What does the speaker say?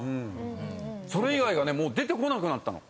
それ以外が出てこなくなったの。